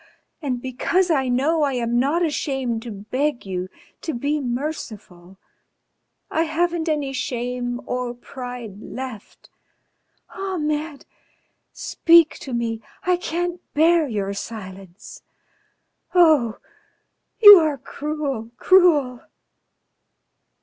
And because I know I am not ashamed to beg you to be merciful. I haven't any shame or pride left. Ahmed! Speak to me! I can't bear your silence.... Oh! You are cruel, cruel!"